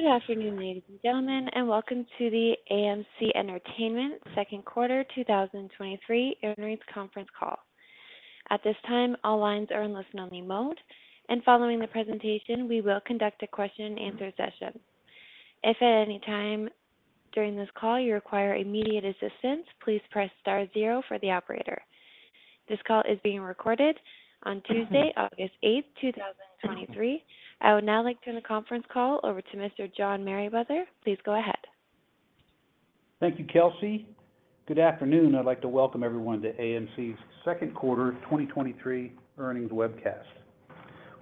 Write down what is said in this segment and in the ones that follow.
Good afternoon, ladies and gentlemen, and welcome to the AMC Entertainment 2nd quarter 2023 earnings conference call. At this time, all lines are in listen-only mode, and following the presentation, we will conduct a question-and-answer session. If at any time during this call you require immediate assistance, please press star 0 for the operator. This call is being recorded on Tuesday, August 8th, 2023. I would now like to turn the conference call over to Mr. John Merriwether. Please go ahead. Thank you, Kelsey. Good afternoon, I'd like to welcome everyone to AMC's second quarter 2023 earnings webcast.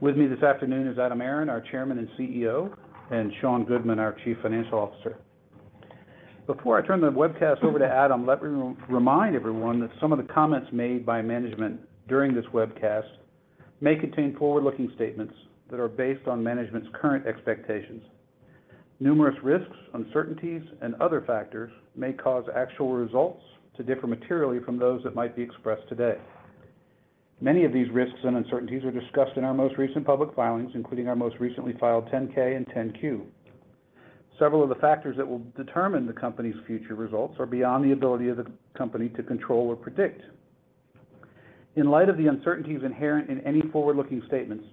With me this afternoon is Adam Aron, our Chairman and CEO, and Sean Goodman, our Chief Financial Officer. Before I turn the webcast over to Adam, let me re-remind everyone that some of the comments made by management during this webcast may contain forward-looking statements that are based on management's current expectations. Numerous risks, uncertainties, and other factors may cause actual results to differ materially from those that might be expressed today. Many of these risks and uncertainties are discussed in our most recent public filings, including our most recently filed 10-K and 10-Q. Several of the factors that will determine the company's future results are beyond the ability of the company to control or predict. In light of the uncertainties inherent in any forward-looking statements,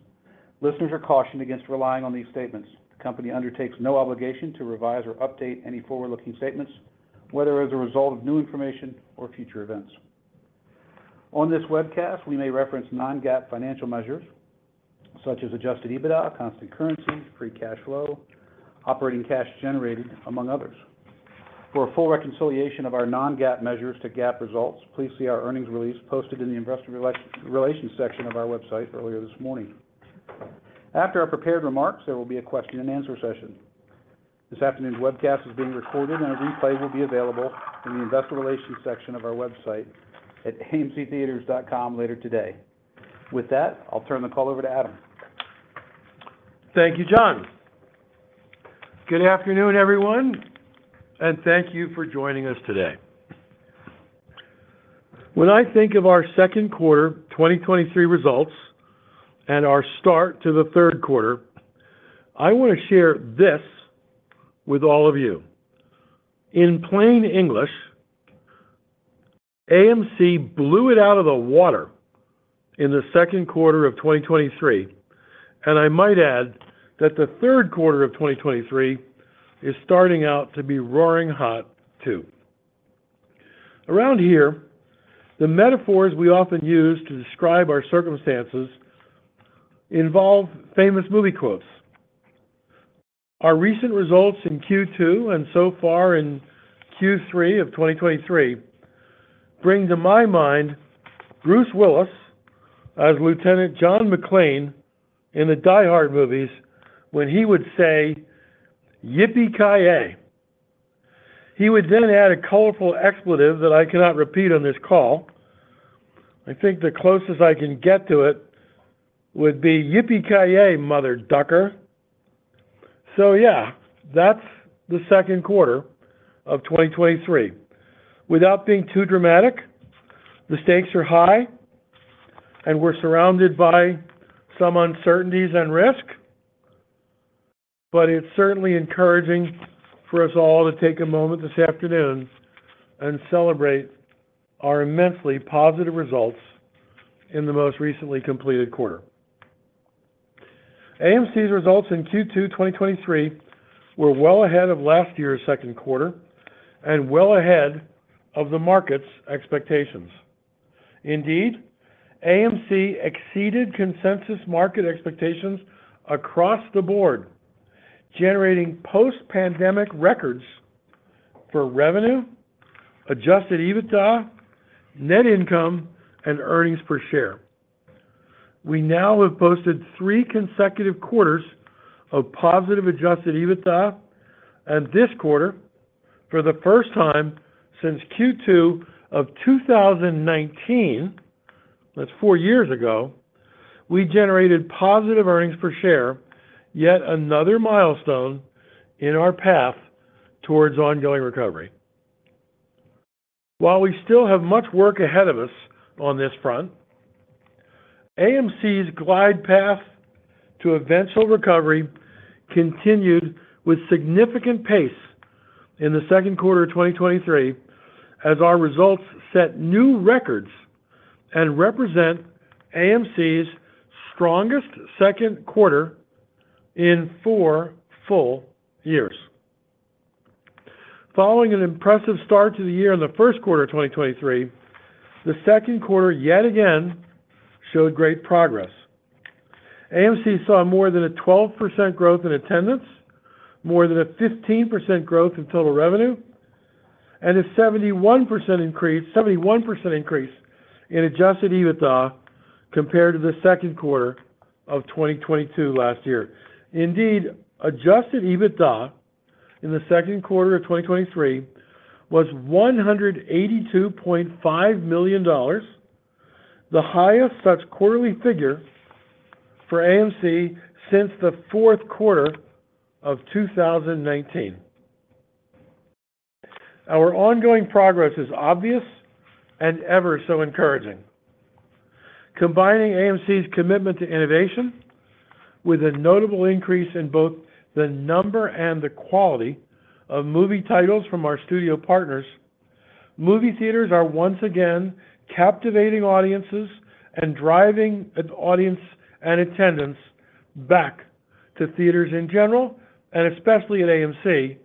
listeners are cautioned against relying on these statements. The company undertakes no obligation to revise or update any forward-looking statements, whether as a result of new information or future events. On this webcast, we may reference non-GAAP financial measures such as Adjusted EBITDA, constant currency, free cash flow, operating cash generated, among others. For a full reconciliation of our non-GAAP measures to GAAP results, please see our earnings release posted in the investor relations section of our website earlier this morning. After our prepared remarks, there will be a question-and-answer session. This afternoon's webcast is being recorded, and a replay will be available in the investor relations section of our website at amctheaters.com later today. With that, I'll turn the call over to Adam. Thank you, John. Good afternoon, everyone, and thank you for joining us today. When I think of our second quarter 2023 results and our start to the third quarter, I want to share this with all of you. In plain English, AMC blew it out of the water in the second quarter of 2023, and I might add that the third quarter of 2023 is starting out to be roaring hot, too. Around here, the metaphors we often use to describe our circumstances involve famous movie quotes. Our recent results in Q2 and so far in Q3 of 2023 bring to my mind Bruce Willis as Lieutenant John McClane in the Die Hard movies, when he would say, "Yippie-ki-yay!" He would then add a colorful expletive that I cannot repeat on this call. I think the closest I can get to it would be, "Yippie-ki-yay, motherfucker!" Yeah, that's the second quarter of 2023. Without being too dramatic, the stakes are high, and we're surrounded by some uncertainties and risk, but it's certainly encouraging for us all to take a moment this afternoon and celebrate our immensely positive results in the most recently completed quarter. AMC's results in Q2 2023 were well ahead of last year's second quarter and well ahead of the market's expectations. Indeed, AMC exceeded consensus market expectations across the board, generating post-pandemic records for revenue, Adjusted EBITDA, net income, and earnings per share. We now have posted three consecutive quarters of positive Adjusted EBITDA, and this quarter, for the first time since Q2 of 2019, that's four years ago, we generated positive earnings per share, yet another milestone in our path towards ongoing recovery. While we still have much work ahead of us on this front, AMC's glide path to eventual recovery continued with significant pace in the second quarter of 2023, as our results set new records and represent AMC's strongest second quarter in four full years. Following an impressive start to the year in the first quarter of 2023, the second quarter, yet again, showed great progress. AMC saw more than a 12% growth in attendance, more than a 15% growth in total revenue, and a 71% increase, 71% increase in Adjusted EBITDA compared to the second quarter of 2022 last year. Indeed, Adjusted EBITDA in the second quarter of 2023 was $182.5 million, the highest such quarterly figure for AMC since the fourth quarter of 2019.... Our ongoing progress is obvious and ever so encouraging. Combining AMC's commitment to innovation with a notable increase in both the number and the quality of movie titles from our studio partners, movie theaters are once again captivating audiences and driving an audience and attendance back to theaters in general, and especially at AMC,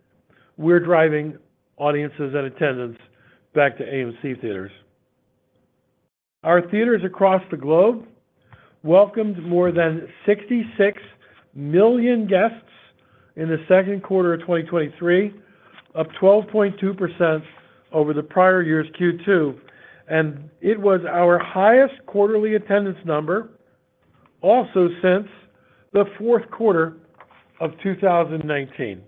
we're driving audiences and attendance back to AMC Theatres. Our theaters across the globe welcomed more than 66 million guests in the second quarter of 2023, up 12.2% over the prior year's Q2, and it was our highest quarterly attendance number also since the fourth quarter of 2019.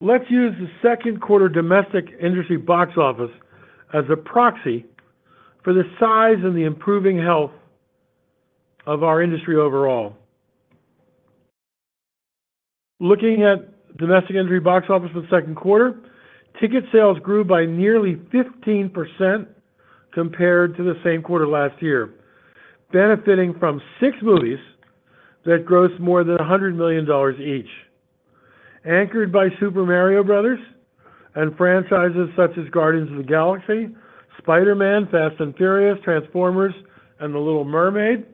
Let's use the second quarter domestic industry box office as a proxy for the size and the improving health of our industry overall. Looking at domestic industry box office for the second quarter, ticket sales grew by nearly 15% compared to the same quarter last year, benefiting from six movies that grossed more than $100 million each. Anchored by Super Mario Bros. and franchises such as Guardians of the Galaxy, Spider-Man, Fast and Furious, Transformers, and The Little Mermaid,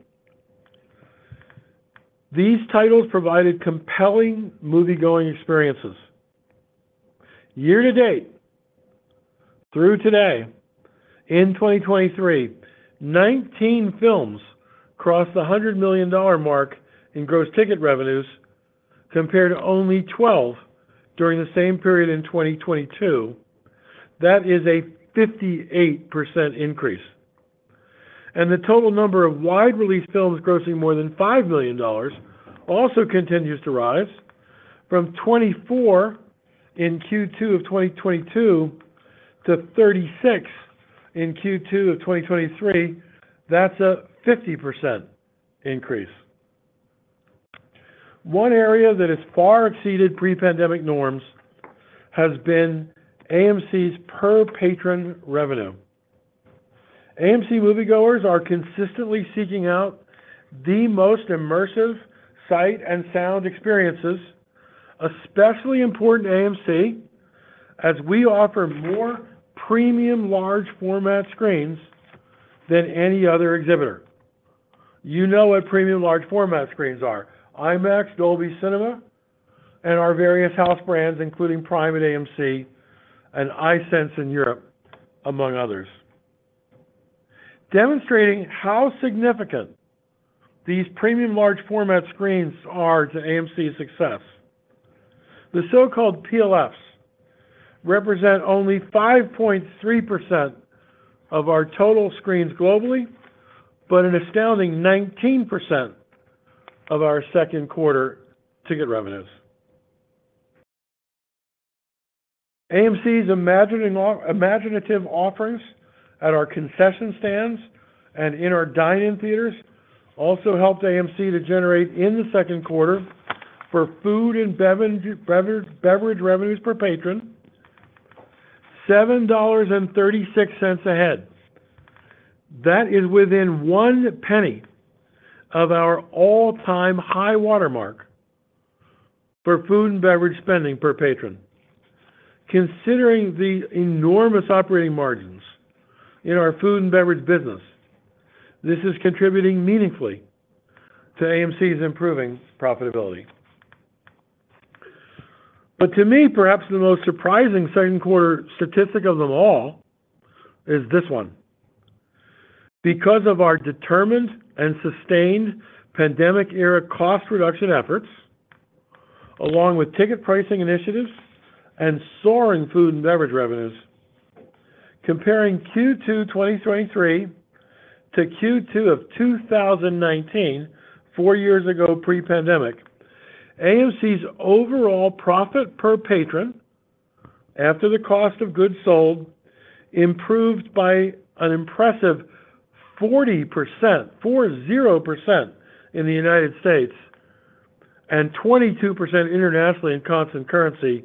these titles provided compelling moviegoing experiences. Year to date, through today in 2023, 19 films crossed the $100 million mark in gross ticket revenues, compared to only 12 during the same period in 2022. That is a 58% increase. The total number of wide-release films grossing more than $5 million also continues to rise from 24 in Q2 of 2022 to 36 in Q2 of 2023. That's a 50% increase. One area that has far exceeded pre-pandemic norms has been AMC's per-patron revenue. AMC moviegoers are consistently seeking out the most immersive sight and sound experiences, especially important to AMC, as we offer more Premium Large Format screens than any other exhibitor. You know what Premium Large Format screens are: IMAX, Dolby Cinema, and our various house brands, including Prime at AMC and iSense in Europe, among others. Demonstrating how significant these Premium Large Format screens are to AMC's success, the so-called PLFs represent only 5.3% of our total screens globally, but an astounding 19% of our second quarter ticket revenues. AMC's imaginative offerings at our concession stands and in our dine-in theaters also helped AMC to generate, in the second quarter, for food and beverage revenues per patron, $7.36 a head. That is within $0.01 of our all-time high watermark for food and beverage spending per patron. Considering the enormous operating margins in our food and beverage business, this is contributing meaningfully to AMC's improving profitability. To me, perhaps the most surprising second quarter statistic of them all is this one: Because of our determined and sustained pandemic-era cost reduction efforts, along with ticket pricing initiatives and soaring food and beverage revenues, comparing Q2 2023 to Q2 2019, four years ago pre-pandemic, AMC's overall profit per patron after the cost of goods sold improved by an impressive 40%, 40%, in the United States and 22% internationally in constant currency.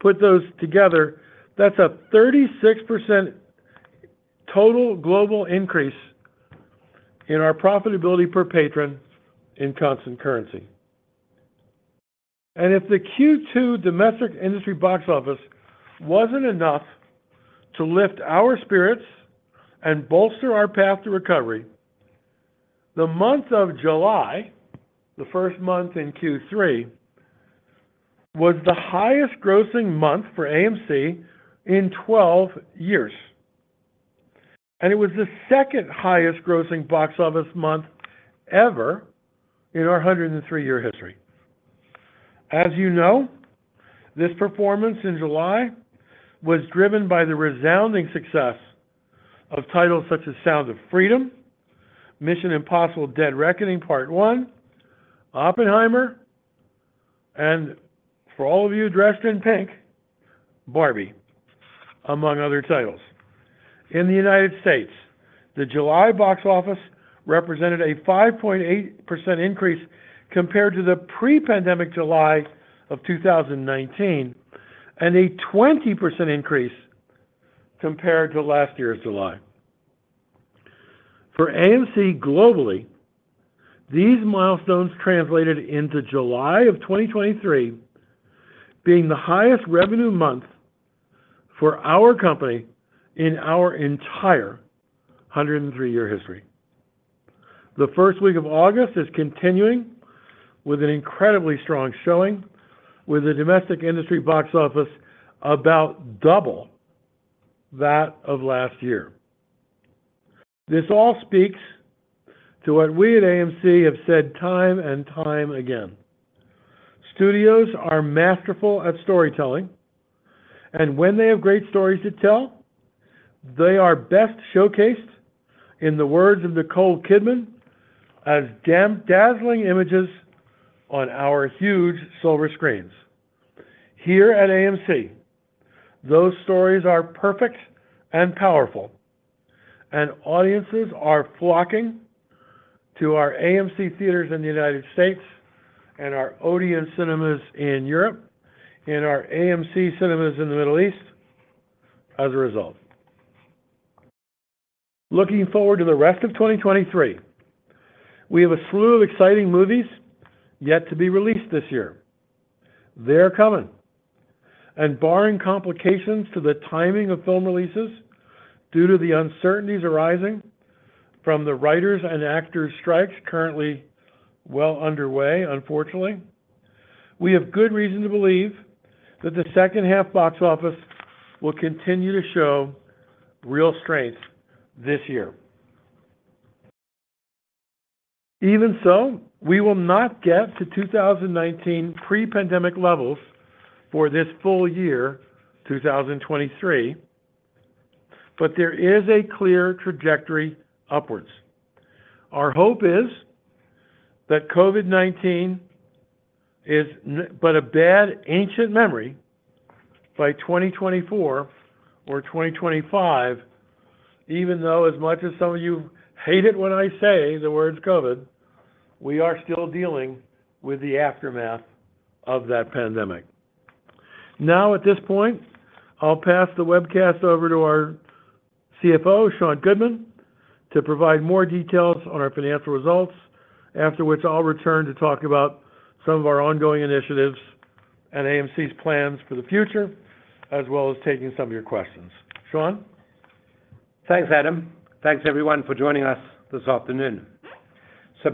Put those together, that's a 36% total global increase in our profitability per patron in constant currency. If the Q2 domestic industry box office wasn't enough to lift our spirits and bolster our path to recovery, the month of July, the first month in Q3, was the highest grossing month for AMC in 12 years, and it was the second highest grossing box office month ever in our 103-year history. As you know, this performance in July was driven by the resounding success of titles such as Sound of Freedom, Mission: Impossible - Dead Reckoning Part One, Oppenheimer, and for all of you dressed in pink, Barbie. among other titles. In the United States, the July box office represented a 5.8% increase compared to the pre-pandemic July of 2019, and a 20% increase compared to last year's July. For AMC globally, these milestones translated into July of 2023 being the highest revenue month for our company in our entire 103-year history. The first week of August is continuing with an incredibly strong showing, with the domestic industry box office about double that of last year. This all speaks to what we at AMC have said time and time again: studios are masterful at storytelling, and when they have great stories to tell, they are best showcased, in the words of Nicole Kidman, as damn dazzling images on our huge silver screens. Here at AMC, those stories are perfect and powerful, and audiences are flocking to our AMC Theatres in the United States, and our Odeon Cinemas in Europe, and our AMC Cinemas in the Middle East as a result. Looking forward to the rest of 2023, we have a slew of exciting movies yet to be released this year. They're coming, barring complications to the timing of film releases due to the uncertainties arising from the writers and actors strikes currently well underway, unfortunately, we have good reason to believe that the second half box office will continue to show real strength this year. Even so, we will not get to 2019 pre-pandemic levels for this full year, 2023. There is a clear trajectory upwards. Our hope is that COVID-19 is but a bad ancient memory by 2024 or 2025, even though as much as some of you hate it when I say the words COVID, we are still dealing with the aftermath of that pandemic. At this point, I'll pass the webcast over to our CFO, Sean Goodman, to provide more details on our financial results. After which, I'll return to talk about some of our ongoing initiatives and AMC's plans for the future, as well as taking some of your questions. Sean? Thanks, Adam. Thanks, everyone, for joining us this afternoon.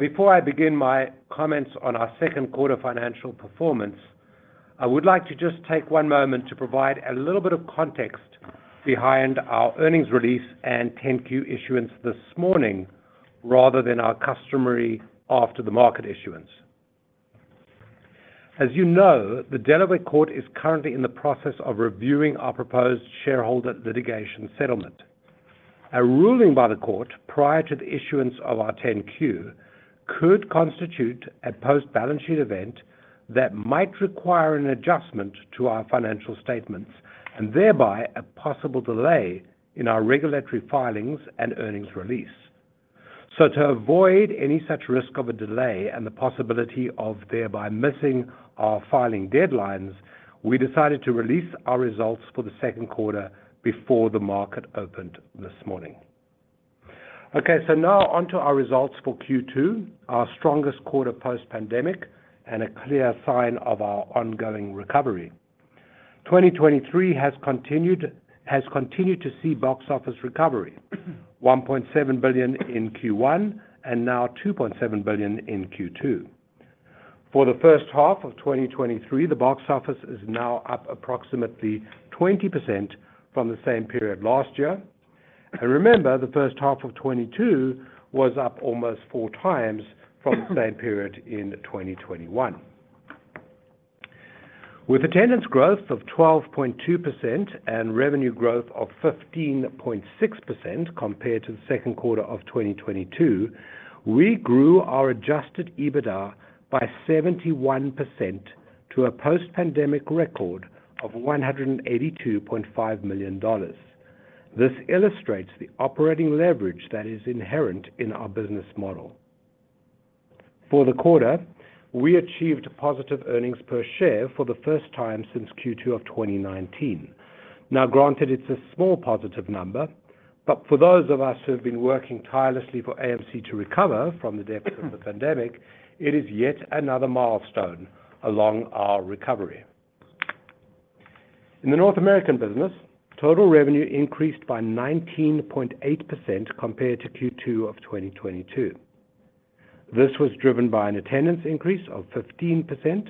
Before I begin my comments on our second quarter financial performance, I would like to just take one moment to provide a little bit of context behind our earnings release and 10-Q issuance this morning, rather than our customary after the market issuance. As you know, the Delaware Court is currently in the process of reviewing our proposed shareholder litigation settlement. A ruling by the Court, prior to the issuance of our 10-Q, could constitute a post-balance sheet event that might require an adjustment to our financial statements, and thereby a possible delay in our regulatory filings and earnings release. To avoid any such risk of a delay and the possibility of thereby missing our filing deadlines, we decided to release our results for the second quarter before the market opened this morning. On to our results for Q2, our strongest quarter post-pandemic, and a clear sign of our ongoing recovery. 2023 has continued to see box office recovery, $1.7 billion in Q1 and now $2.7 billion in Q2. For the first half of 2023, the box office is now up approximately 20% from the same period last year. Remember, the first half of 2022 was up almost four times from the same period in 2021. With attendance growth of 12.2% and revenue growth of 15.6% compared to the second quarter of 2022, we grew our Adjusted EBITDA by 71% to a post-pandemic record of $182.5 million. This illustrates the operating leverage that is inherent in our business model. For the quarter, we achieved positive earnings per share for the first time since Q2 of 2019. Granted, it's a small positive number, for those of us who have been working tirelessly for AMC to recover from the depths of the pandemic, it is yet another milestone along our recovery. In the North American business, total revenue increased by 19.8% compared to Q2 of 2022. This was driven by an attendance increase of 15%,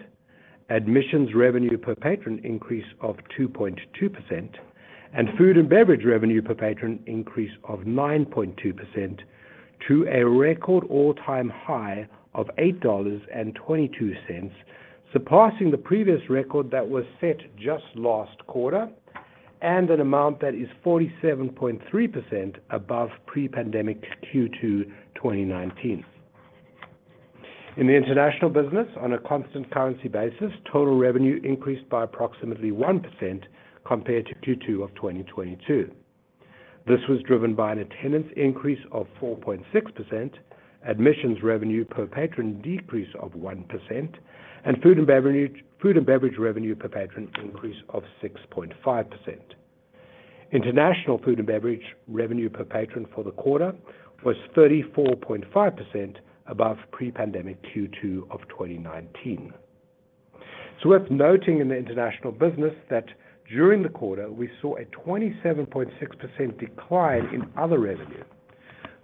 admissions revenue per patron increase of 2.2%, and food and beverage revenue per patron increase of 9.2% to a record all-time high of $8.22, surpassing the previous record that was set just last quarter, and an amount that is 47.3% above pre-pandemic Q2 2019. In the international business, on a constant currency basis, total revenue increased by approximately 1% compared to Q2 of 2022. This was driven by an attendance increase of 4.6%, admissions revenue per patron decrease of 1%, and food and beverage revenue per patron increase of 6.5%. International food and beverage revenue per patron for the quarter was 34.5% above pre-pandemic Q2 of 2019. It's worth noting in the international business that during the quarter, we saw a 27.6% decline in other revenue.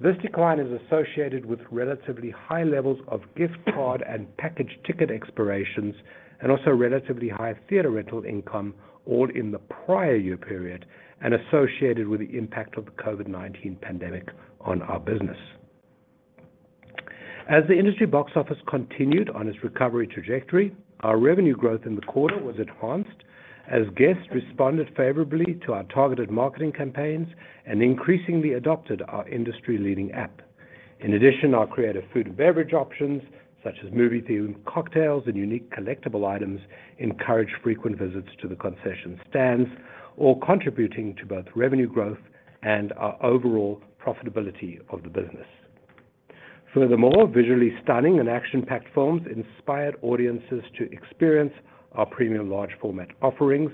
This decline is associated with relatively high levels of gift card and package ticket expirations, and also relatively high theater rental income, all in the prior year period, and associated with the impact of the COVID-19 pandemic on our business. As the industry box office continued on its recovery trajectory, our revenue growth in the quarter was enhanced as guests responded favorably to our targeted marketing campaigns and increasingly adopted our industry-leading app. In addition, our creative food and beverage options, such as movie theme cocktails and unique collectible items, encouraged frequent visits to the concession stands, all contributing to both revenue growth and our overall profitability of the business. Furthermore, visually stunning and action-packed films inspired audiences to experience our Premium Large Format offerings.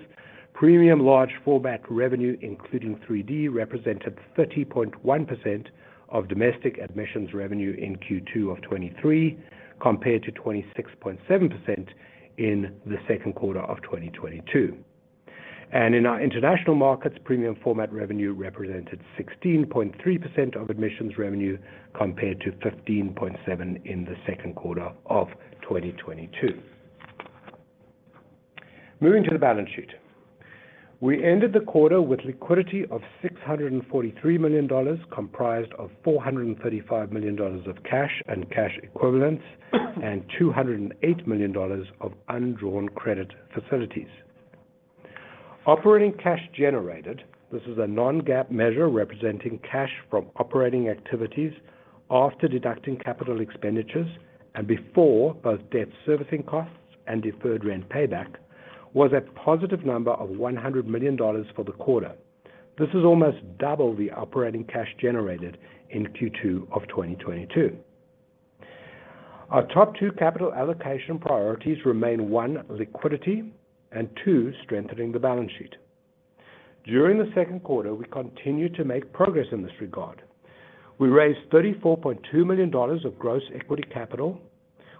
Premium large format revenue, including 3D, represented 30.1% of domestic admissions revenue in Q2 of 2023, compared to 26.7% in the second quarter of 2022. In our international markets, premium format revenue represented 16.3% of admissions revenue, compared to 15.7% in the second quarter of 2022. Moving to the balance sheet. We ended the quarter with liquidity of $643 million, comprised of $435 million of cash and cash equivalents, and $208 million of undrawn credit facilities. Operating cash generated, this is a non-GAAP measure representing cash from operating activities after deducting capital expenditures and before both debt servicing costs and deferred rent payback, was a positive number of $100 million for the quarter. This is almost double the operating cash generated in Q2 of 2022. Our top two capital allocation priorities remain: one, liquidity, and two, strengthening the balance sheet. During the second quarter, we continued to make progress in this regard. We raised $34.2 million of gross equity capital.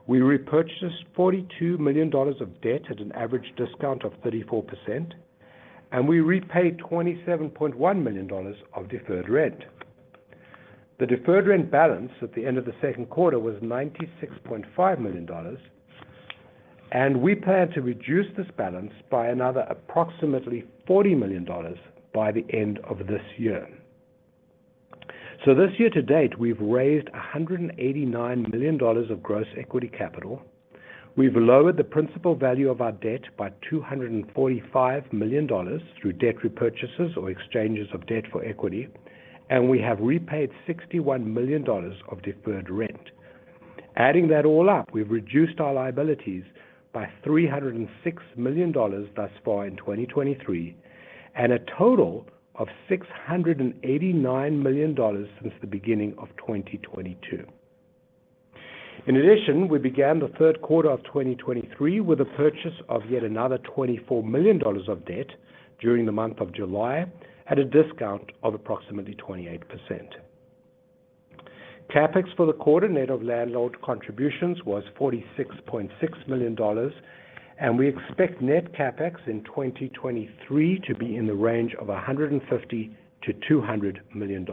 We repurchased $42 million of debt at an average discount of 34%, and we repaid $27.1 million of deferred rent. The deferred rent balance at the end of the second quarter was $96.5 million, and we plan to reduce this balance by another approximately $40 million by the end of this year. This year to date, we've raised $189 million of gross equity capital. We've lowered the principal value of our debt by $245 million through debt repurchases or exchanges of debt for equity, and we have repaid $61 million of deferred rent. Adding that all up, we've reduced our liabilities by $306 million thus far in 2023, and a total of $689 million since the beginning of 2022. In addition, we began the third quarter of 2023 with a purchase of yet another $24 million of debt during the month of July, at a discount of approximately 28%. CapEx for the quarter net of landlord contributions was $46.6 million, and we expect net CapEx in 2023 to be in the range of $150 million-$200 million.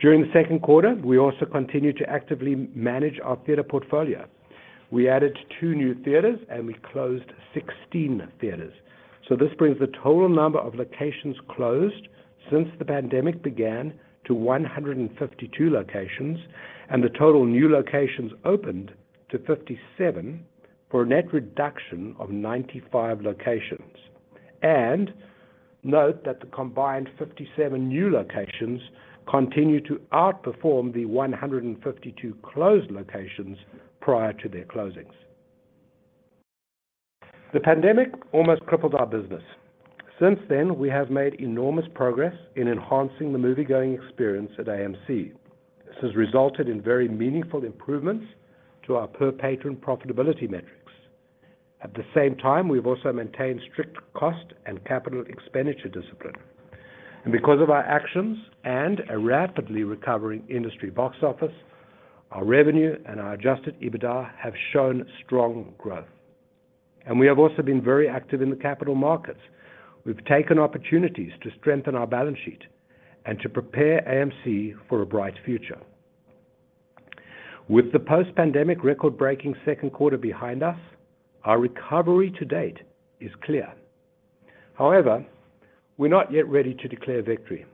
During the second quarter, we also continued to actively manage our theater portfolio. We added two new theaters, and we closed 16 theaters. This brings the total number of locations closed since the pandemic began to 152 locations, and the total new locations opened to 57, for a net reduction of 95 locations. Note that the combined 57 new locations continue to outperform the 152 closed locations prior to their closings. The pandemic almost crippled our business. Since then, we have made enormous progress in enhancing the moviegoing experience at AMC. This has resulted in very meaningful improvements to our per-patron profitability metrics. At the same time, we've also maintained strict cost and capital expenditure discipline. Because of our actions and a rapidly recovering industry box office, our revenue and our adjusted EBITDA have shown strong growth. We have also been very active in the capital markets. We've taken opportunities to strengthen our balance sheet and to prepare AMC for a bright future. With the post-pandemic record-breaking second quarter behind us, our recovery to date is clear. However, we're not yet ready to declare victory.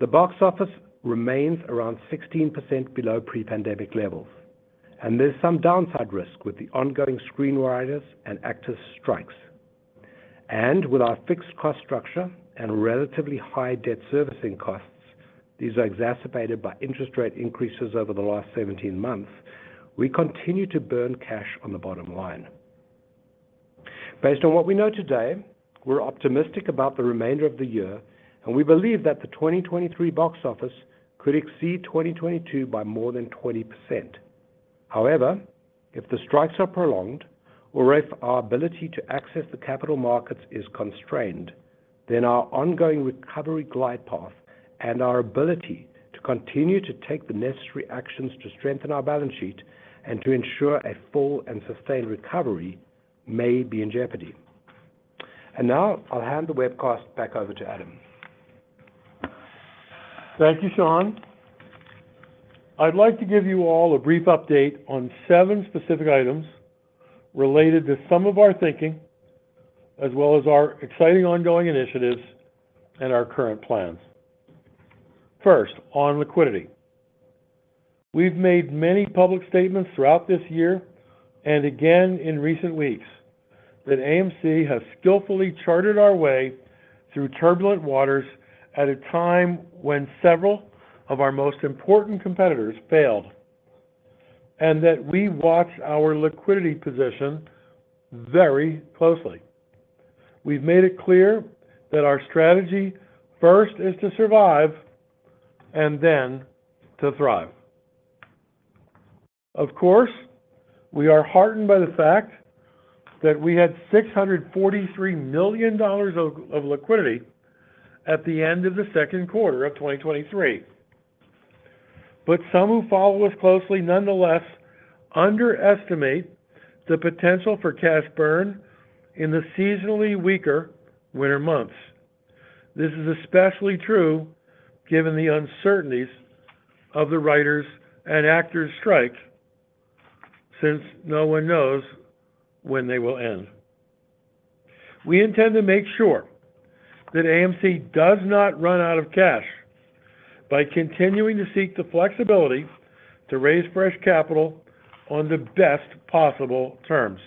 The box office remains around 16% below pre-pandemic levels, and there's some downside risk with the ongoing screenwriters and actors' strikes. With our fixed cost structure and relatively high debt servicing costs, these are exacerbated by interest rate increases over the last 17 months, we continue to burn cash on the bottom line. Based on what we know today, we're optimistic about the remainder of the year, and we believe that the 2023 box office could exceed 2022 by more than 20%. However, if the strikes are prolonged or if our ability to access the capital markets is constrained, then our ongoing recovery glide path and our ability to continue to take the necessary actions to strengthen our balance sheet and to ensure a full and sustained recovery may be in jeopardy. Now I'll hand the webcast back over to Adam. Thank you, Sean. I'd like to give you all a brief update on seven specific items related to some of our thinking, as well as our exciting ongoing initiatives and our current plans. First, on liquidity. We've made many public statements throughout this year and again in recent weeks, that AMC has skillfully charted our way through turbulent waters at a time when several of our most important competitors failed, and that we watch our liquidity position very closely. We've made it clear that our strategy first is to survive and then to thrive. Of course, we are heartened by the fact that we had $643 million of liquidity at the end of the second quarter of 2023. Some who follow us closely nonetheless underestimate the potential for cash burn in the seasonally weaker winter months. This is especially true given the uncertainties of the writers and actors strikes, since no one knows when they will end. We intend to make sure that AMC does not run out of cash by continuing to seek the flexibility to raise fresh capital on the best possible terms.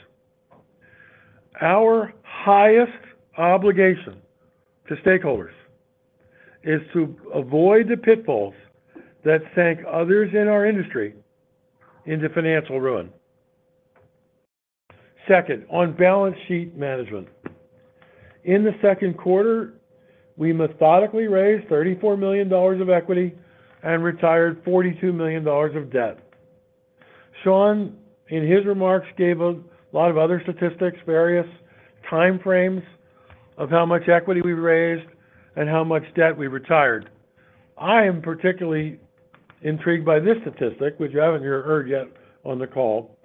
Our highest obligation to stakeholders is to avoid the pitfalls that sank others in our industry into financial ruin. Second, on balance sheet management. In the second quarter, we methodically raised $34 million of equity and retired $42 million of debt. Sean, in his remarks, gave a lot of other statistics, various time frames of how much equity we raised and how much debt we retired. I am particularly intrigued by this statistic, which you haven't heard yet on the call.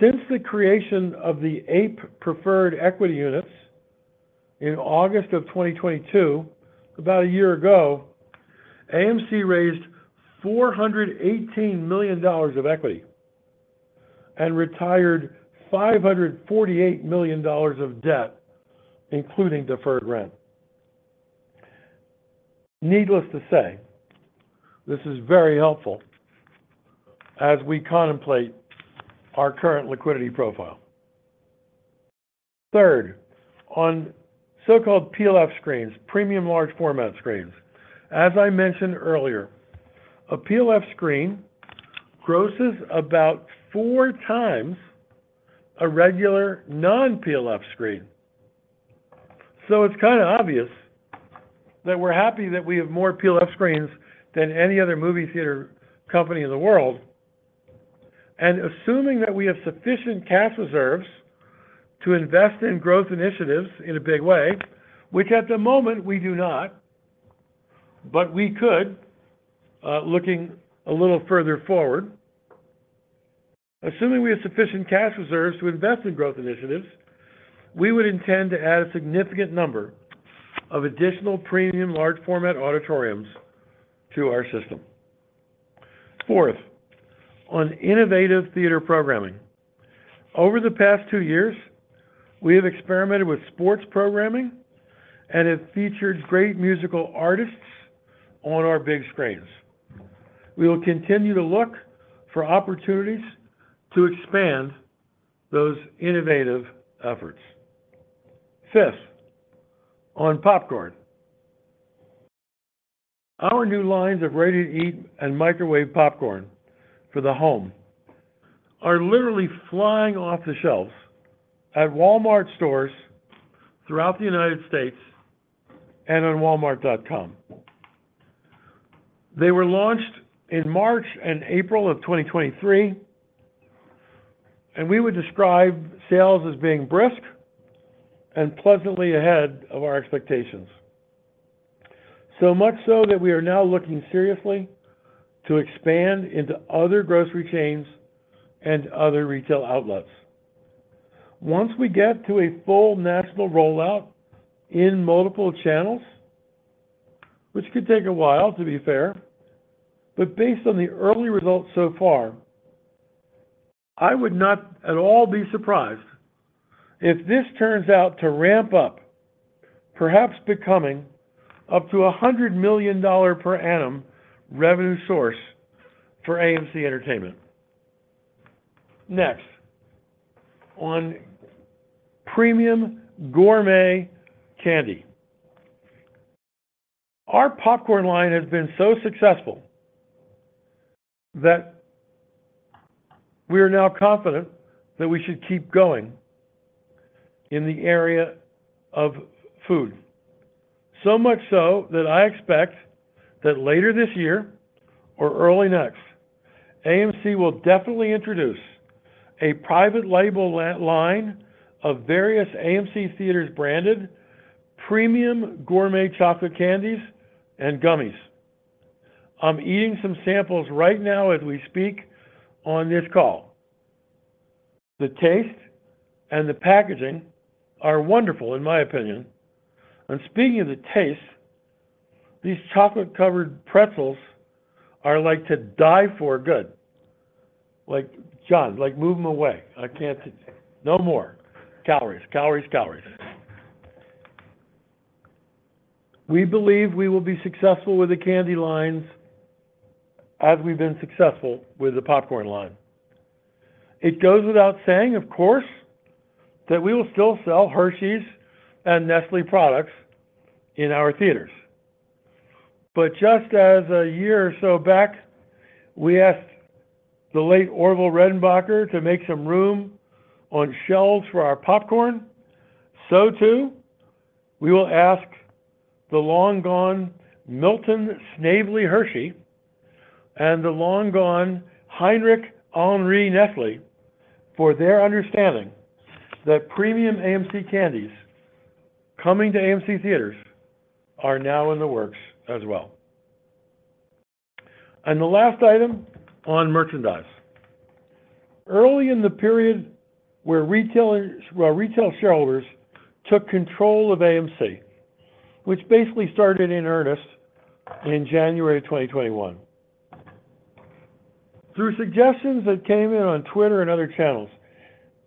Since the creation of the APE preferred equity units in August 2022, about a year ago, AMC raised $418 million of equity and retired $548 million of debt, including deferred rent. Needless to say, this is very helpful as we contemplate our current liquidity profile. Third, on so-called PLF screens, Premium Large Format screens. As I mentioned earlier, a PLF screen grosses about four times a regular non-PLF screen. It's kind of obvious that we're happy that we have more PLF screens than any other movie theater company in the world. Assuming that we have sufficient cash reserves to invest in growth initiatives in a big way, which at the moment we do not, but we could, looking a little further forward. Assuming we have sufficient cash reserves to invest in growth initiatives, we would intend to add a significant number of additional Premium Large Format auditoriums to our system. Fourth, on innovative theater programming. Over the past two years, we have experimented with sports programming and have featured great musical artists on our big screens. We will continue to look for opportunities to expand those innovative efforts. Fifth, on popcorn. Our new lines of ready-to-eat and microwave popcorn for the home are literally flying off the shelves at Walmart stores throughout the United States and on walmart.com. They were launched in March and April of 2023, and we would describe sales as being brisk and pleasantly ahead of our expectations. So much so that we are now looking seriously to expand into other grocery chains and other retail outlets. Once we get to a full national rollout in multiple channels, which could take a while, to be fair, but based on the early results so far, I would not at all be surprised if this turns out to ramp up, perhaps becoming up to a $100 million per annum revenue source for AMC Entertainment. On premium gourmet candy. Our popcorn line has been so successful that we are now confident that we should keep going in the area of food. Much so that I expect that later this year or early next, AMC will definitely introduce a private label line of various AMC Theatres branded premium gourmet chocolate candies and gummies. I'm eating some samples right now as we speak on this call. The taste and the packaging are wonderful, in my opinion. Speaking of the taste, these chocolate-covered pretzels are, like, to die for good. Like, John, like, move them away. I can't. No more. Calories, calories, calories. We believe we will be successful with the candy lines as we've been successful with the popcorn line. It goes without saying, of course, that we will still sell Hershey's and Nestlé products in our theaters. Just as a year or so back, we asked the late Orville Redenbacher to make some room on shelves for our popcorn, so too, we will ask the long-gone Milton Snavely Hershey and the long-gone Heinrich Henri Nestlé for their understanding that premium AMC candies coming to AMC Theatres are now in the works as well. The last item on merchandise. Early in the period where retail shareholders took control of AMC, which basically started in earnest in January 2021. Through suggestions that came in on Twitter and other channels,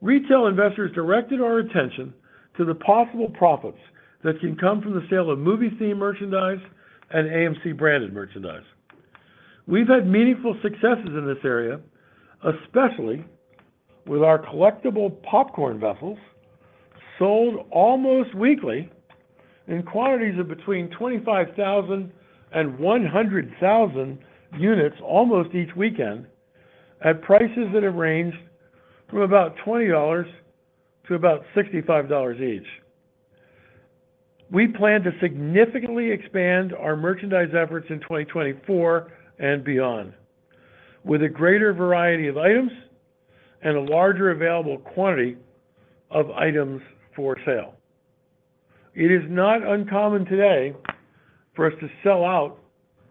retail investors directed our attention to the possible profits that can come from the sale of movie-themed merchandise and AMC-branded merchandise. We've had meaningful successes in this area, especially with our collectible popcorn vessels, sold almost weekly in quantities of between 25,000 and 100,000 units almost each weekend, at prices that have ranged from about $20 to about $65 each. We plan to significantly expand our merchandise efforts in 2024 and beyond, with a greater variety of items and a larger available quantity of items for sale. It is not uncommon today for us to sell out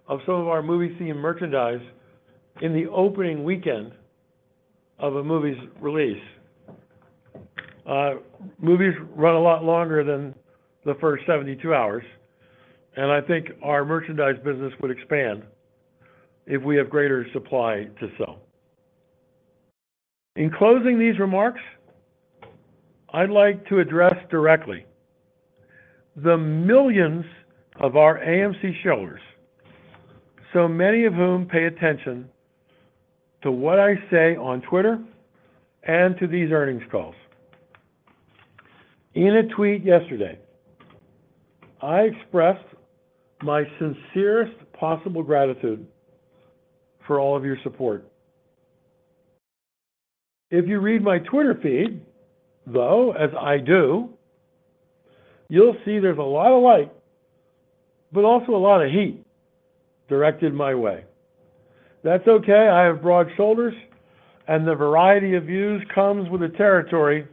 of some of our movie-themed merchandise in the opening weekend of a movie's release. Movies run a lot longer than the first 72 hours, and I think our merchandise business would expand if we have greater supply to sell. In closing these remarks, I'd like to address directly the millions of our AMC shareholders, so many of whom pay attention to what I say on Twitter and to these earnings calls. In a tweet yesterday, I expressed my sincerest possible gratitude for all of your support. If you read my Twitter feed, though, as I do, you'll see there's a lot of like, but also a lot of heat directed my way. That's okay, I have broad shoulders, and the variety of views comes with the territory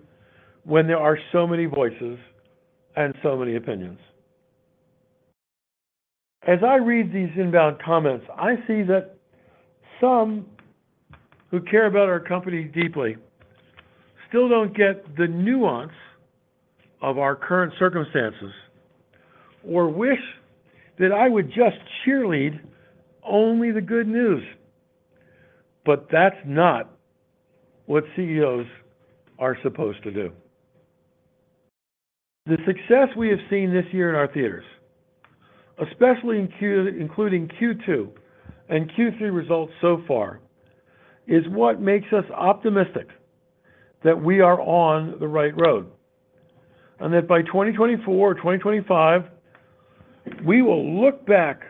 when there are so many voices and so many opinions. As I read these inbound comments, I see that some who care about our company deeply still don't get the nuance of our current circumstances or wish that I would just cheerlead only the good news. That's not what CEOs are supposed to do. The success we have seen this year in our theaters, especially including Q2 and Q3 results so far, is what makes us optimistic that we are on the right road, and that by 2024 or 2025, we will look back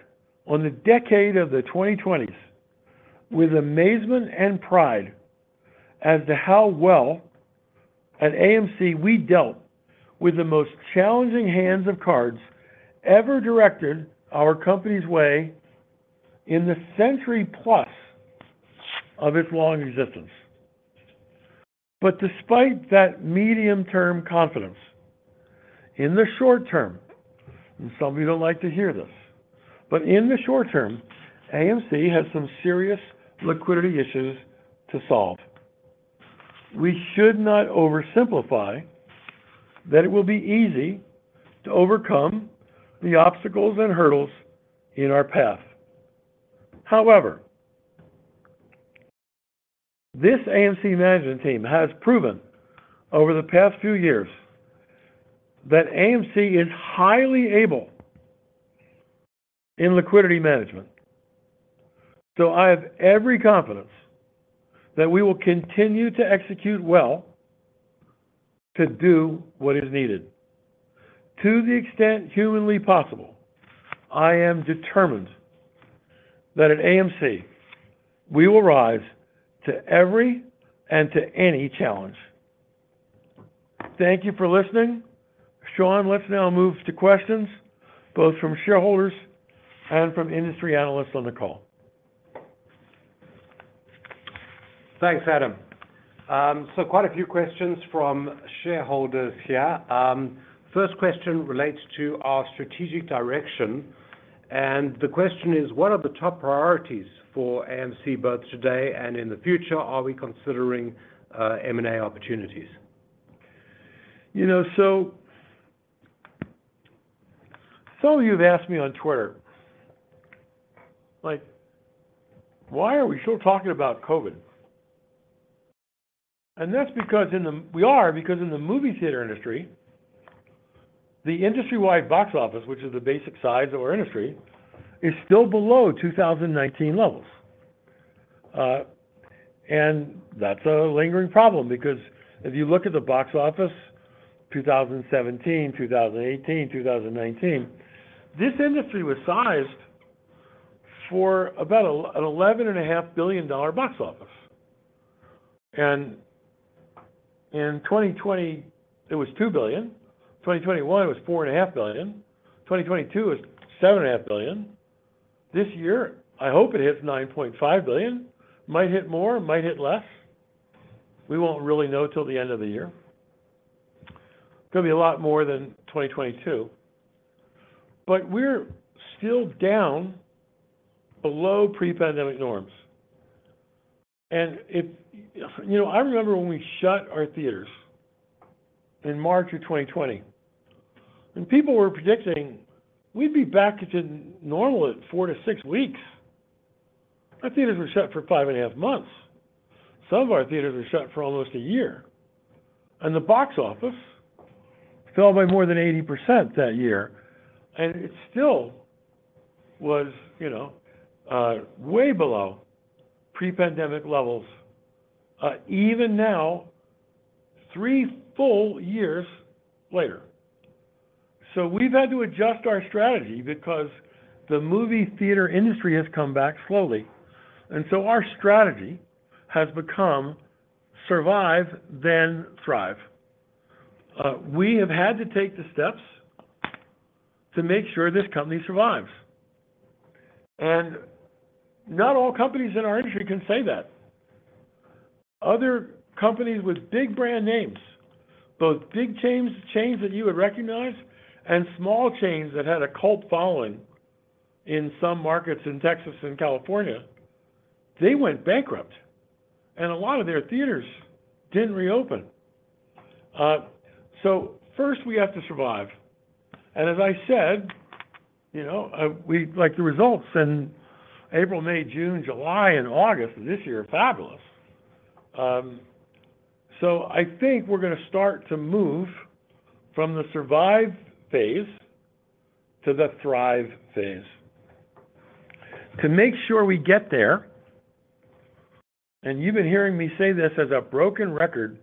on the decade of the 2020s with amazement and pride as to how well at AMC we dealt with the most challenging hands of cards ever directed our company's way in the century plus of its long existence. Despite that medium-term confidence, in the short term, and some of you don't like to hear this, but in the short term, AMC has some serious liquidity issues to solve. We should not oversimplify that it will be easy to overcome the obstacles and hurdles in our path. However, this AMC management team has proven over the past few years that AMC is highly able in liquidity management. I have every confidence that we will continue to execute well, to do what is needed. To the extent humanly possible, I am determined that at AMC, we will rise to every and to any challenge. Thank you for listening. Sean, let's now move to questions, both from shareholders and from industry analysts on the call. Thanks, Adam. Quite a few questions from shareholders here. First question relates to our strategic direction, the question is: What are the top priorities for AMC both today and in the future? Are we considering M&A opportunities? You know, so, some of you have asked me on Twitter, like, "Why are we still talking about COVID?" That's because we are, because in the movie theater industry, the industry-wide box office, which is the basic size of our industry, is still below 2019 levels. That's a lingering problem, because if you look at the box office, 2017, 2018, 2019, this industry was sized for about an $11.5 billion box office. In 2020, it was $2 billion, 2021, it was $4.5 billion, 2022, it was $7.5 billion. This year, I hope it hits $9.5 billion. Might hit more, might hit less. We won't really know till the end of the year. Gonna be a lot more than 2022. We're still down below pre-pandemic norms. You know, I remember when we shut our theaters in March of 2020, and people were predicting we'd be back to normal in four to six weeks. Our theaters were shut for five and a half months. Some of our theaters were shut for almost a year, and the box office fell by more than 80% that year, and it still was, you know, way below pre-pandemic levels, even now, three full years later. We've had to adjust our strategy because the movie theater industry has come back slowly, and our strategy has become survive, then thrive. We have had to take the steps to make sure this company survives, and not all companies in our industry can say that. Other companies with big brand names, both big chains, chains that you would recognize, and small chains that had a cult following in some markets in Texas and California, they went bankrupt, and a lot of their theaters didn't reopen. First, we have to survive. As I said, you know, like, the results in April, May, June, July, and August of this year are fabulous. I think we're gonna start to move from the survive phase to the thrive phase. To make sure we get there, and you've been hearing me say this as a broken record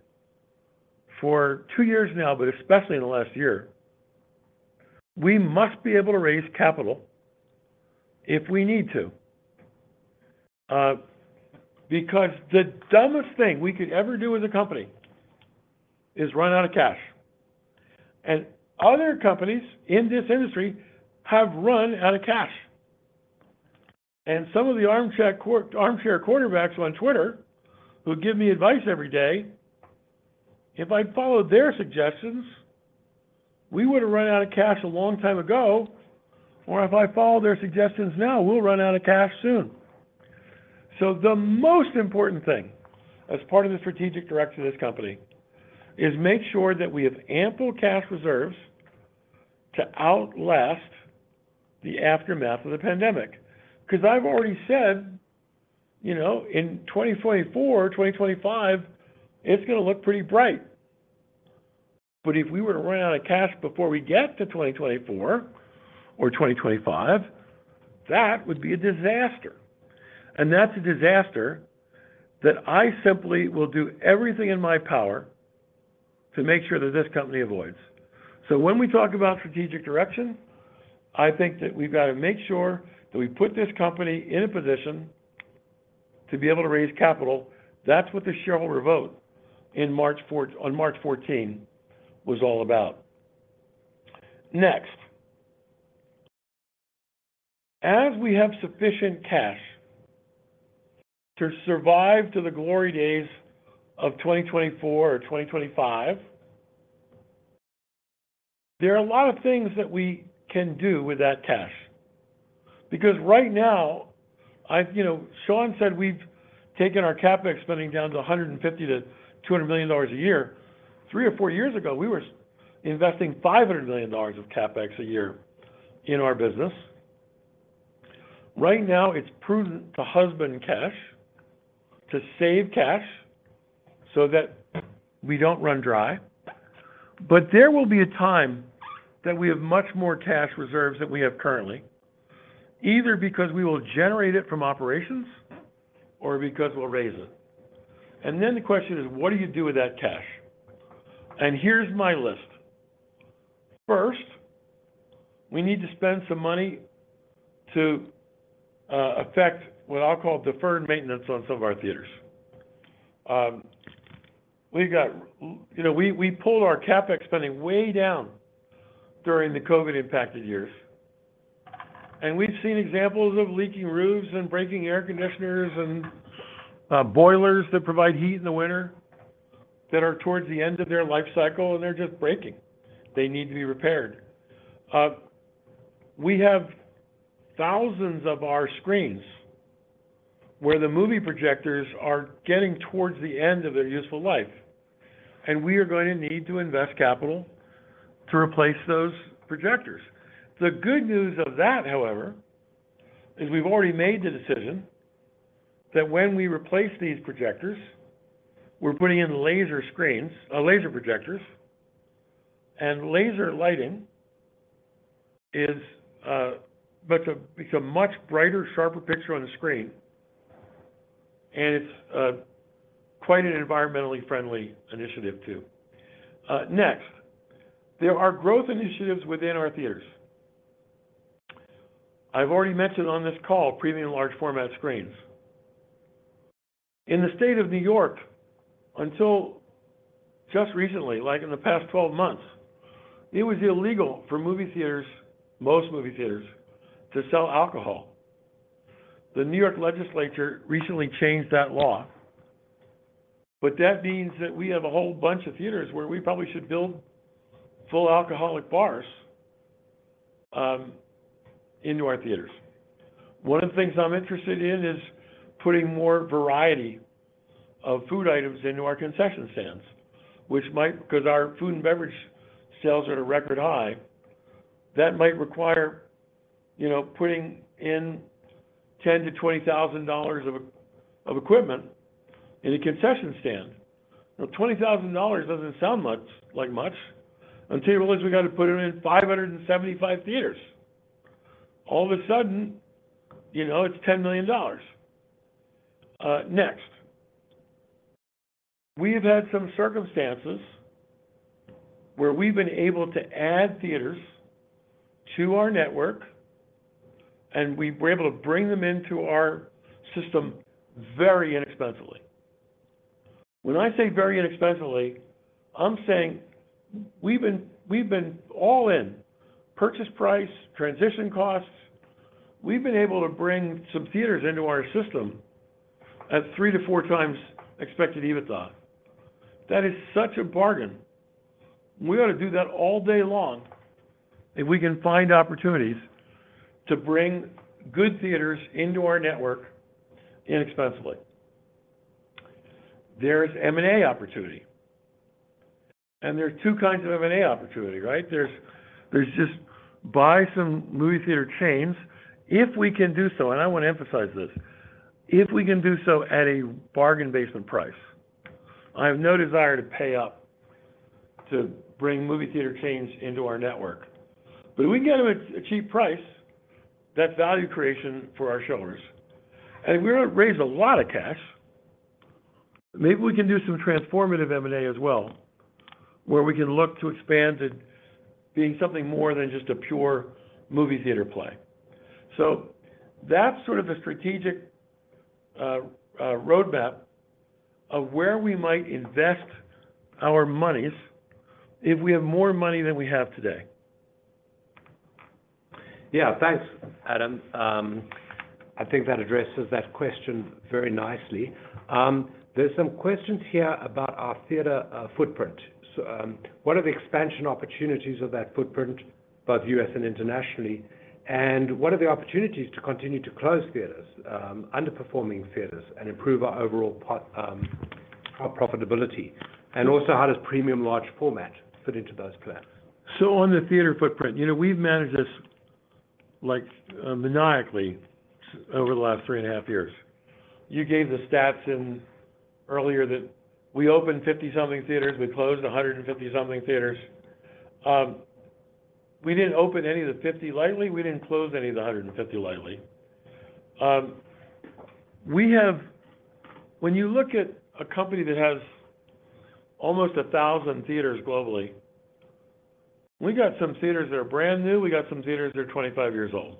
for two years now, but especially in the last year, we must be able to raise capital if we need to. The dumbest thing we could ever do as a company is run out of cash. Other companies in this industry have run out of cash. Some of the armchair quarterbacks on Twitter, who give me advice every day, if I followed their suggestions, we would have run out of cash a long time ago, or if I follow their suggestions now, we'll run out of cash soon. The most important thing, as part of the strategic direction of this company, is make sure that we have ample cash reserves to outlast the aftermath of the pandemic. I've already said, you know, in 2024, 2025, it's gonna look pretty bright. If we were to run out of cash before we get to 2024 or 2025, that would be a disaster. That's a disaster that I simply will do everything in my power to make sure that this company avoids. When we talk about strategic direction, I think that we've got to make sure that we put this company in a position to be able to raise capital. That's what the shareholder vote on March 14 was all about. Next, as we have sufficient cash to survive to the glory days of 2024 or 2025, there are a lot of things that we can do with that cash, because right now, you know, Sean said we've taken our CapEx spending down to $150 million-$200 million a year. three or four years ago, we were investing $500 million of CapEx a year in our business. Right now, it's prudent to husband cash, to save cash, so that we don't run dry. There will be a time that we have much more cash reserves than we have currently, either because we will generate it from operations or because we'll raise it. Then the question is, what do you do with that cash? Here's my list. First, we need to spend some money to affect what I'll call deferred maintenance on some of our theaters. You know, we, we pulled our CapEx spending way down during the COVID-impacted years. We've seen examples of leaking roofs, and breaking air conditioners, and boilers that provide heat in the winter, that are towards the end of their life cycle, and they're just breaking. They need to be repaired. We have thousands of our screens where the movie projectors are getting towards the end of their useful life, and we are going to need to invest capital to replace those projectors. The good news of that, however, is we've already made the decision that when we replace these projectors, we're putting in laser screens... laser projectors. Laser lighting is much it's a much brighter, sharper picture on the screen, and it's quite an environmentally friendly initiative, too. Next, there are growth initiatives within our theaters. I've already mentioned on this call Premium Large Format screens. In the state of New York, until just recently, like in the past 12 months, it was illegal for movie theaters, most movie theaters, to sell alcohol. The New York legislature recently changed that law, but that means that we have a whole bunch of theaters where we probably should build full alcoholic bars into our theaters. One of the things I'm interested in is putting more variety of food items into our concession stands, which because our food and beverage sales are at a record high, that might require, you know, putting in $10,000-$20,000 of equipment in a concession stand. Now, $20,000 doesn't sound much, like much, until you realize we've got to put it in 575 theaters. All of a sudden, you know, it's $10 million. Next, we have had some circumstances where we've been able to add theaters to our network, and we've were able to bring them into our system very inexpensively. When I say very inexpensively, I'm saying we've been, we've been all in. Purchase price, transition costs. We've been able to bring some theaters into our system at three to four times expected EBITDA. That is such a bargain. We ought to do that all day long, if we can find opportunities to bring good theaters into our network inexpensively. There's M&A opportunity. There are two kinds of M&A opportunity, right? There's just buy some movie theater chains, if we can do so, and I want to emphasize this, if we can do so at a bargain basement price. I have no desire to pay up to bring movie theater chains into our network. If we can get them at a cheap price, that's value creation for our shareholders. We're going to raise a lot of cash. Maybe we can do some transformative M&A as well, where we can look to expand to being something more than just a pure movie theater play. That's sort of the strategic roadmap of where we might invest our monies if we have more money than we have today. Yeah. Thanks, Adam. I think that addresses that question very nicely. There's some questions here about our theater footprint. What are the expansion opportunities of that footprint, both U.S. and internationally? What are the opportunities to continue to close theaters, underperforming theaters, and improve our overall profitability? How does Premium Large Format fit into those plans? On the theater footprint, you know, we've managed this, like, maniacally over the last 3.5 years. You gave the stats in earlier, that we opened 50-something theaters, we closed 150-something theaters. We didn't open any of the 50 lightly. We didn't close any of the 150 lightly. When you look at a company that has almost 1,000 theaters globally, we got some theaters that are brand new, we got some theaters that are 25 years old.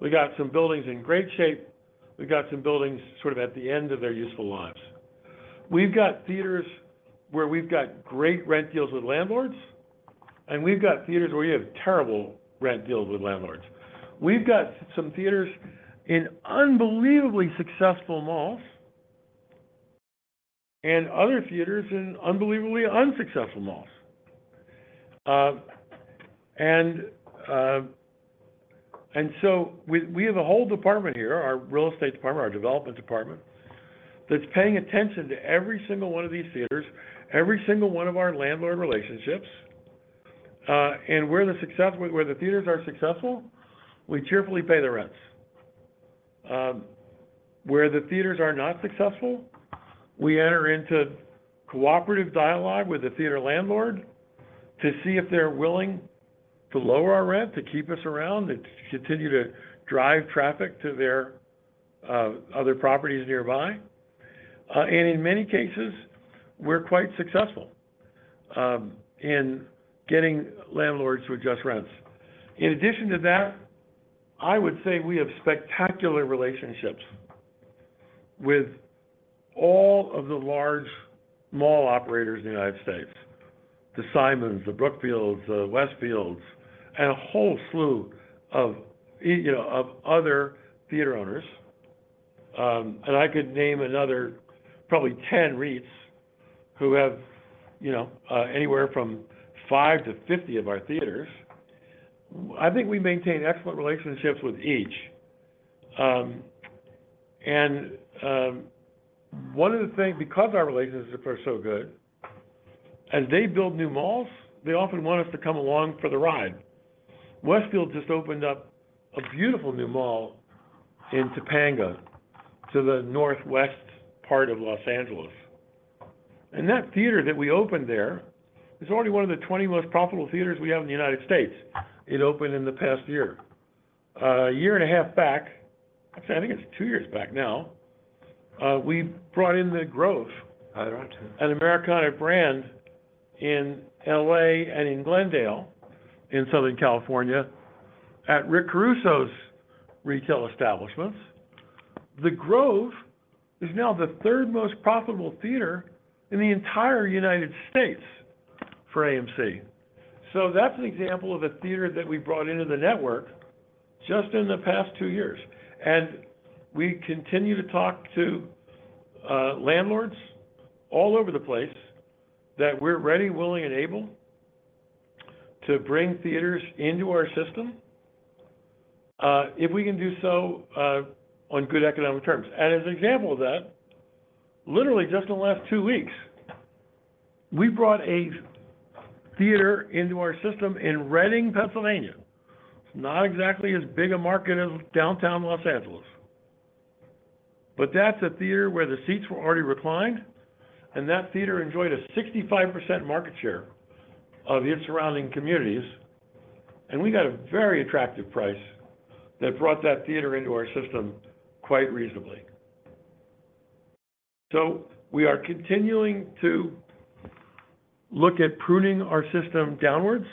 We got some buildings in great shape, we got some buildings sort of at the end of their useful lives. We've got theaters where we've got great rent deals with landlords, and we've got theaters where we have terrible rent deals with landlords. We've got some theaters in unbelievably successful malls, and other theaters in unbelievably unsuccessful malls. We have a whole department here, our real estate department, our development department, that's paying attention to every single one of these theaters, every single one of our landlord relationships. Where the theaters are successful, we cheerfully pay the rents. Where the theaters are not successful, we enter into cooperative dialogue with the theater landlord to see if they're willing to lower our rent, to keep us around, and to continue to drive traffic to their other properties nearby. In many cases, we're quite successful in getting landlords to adjust rents. In addition to that, I would say we have spectacular relationships with all of the large mall operators in the United States: the Simon, the Brookfield, the Westfield, and a whole slew of, you know, of other theater owners. I could name another probably 10 REITs who have, you know, anywhere from five to 50 of our theaters. I think we maintain excellent relationships with each. One of the things, because our relationships are so good, as they build new malls, they often want us to come along for the ride. Westfield just opened up a beautiful new mall in Topanga, to the northwest part of Los Angeles, and that theater that we opened there is already one of the 20 most profitable theaters we have in the United States. It opened in the past year. A year and a half back... Actually, I think it's two years back now, we brought in the Grove. Right The Americana at Brand in L.A. and in Glendale, in Southern California, at Rick Caruso's retail establishments. The Grove is now the third most profitable theater in the entire United States for AMC. That's an example of a theater that we brought into the network just in the past two years. We continue to talk to landlords all over the place, that we're ready, willing, and able to bring theaters into our system, if we can do so on good economic terms. As an example of that, literally, just in the last two weeks, we brought a theater into our system in Reading, Pennsylvania. It's not exactly as big a market as downtown Los Angeles, but that's a theater where the seats were already reclined, and that theater enjoyed a 65% market share of its surrounding communities, and we got a very attractive price that brought that theater into our system quite reasonably. We are continuing to look at pruning our system downwards,